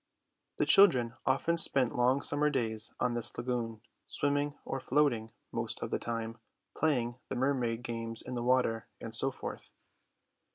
The children often spent long summer days on this lagoon, swimming or floating most of the time, playing the mermaid games in the water, and so forth.